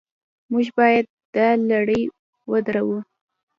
موږ باید دا لړۍ ودروو.